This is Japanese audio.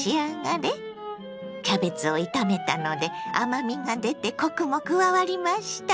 キャベツを炒めたので甘みが出てコクも加わりました。